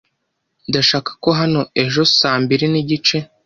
Ndashaka ko hano ejo saa mbiri n'igice.